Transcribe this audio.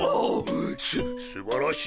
すすばらしい！